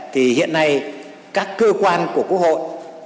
thì hiện nay các cơ quan của quốc hội